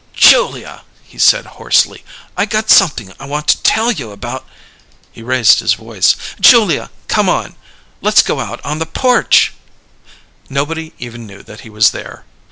"Julia," he said hoarsely; "I got something I want to tell you about " He raised his voice: "Julia, come on! Let's go out on the porch!" Nobody even knew that he was there.